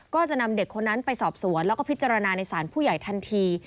ก็จะนำเด็กคนนั้นไปสอบสวนแล้วก็พิจารณาในศาลผู้ใหญ่ทันที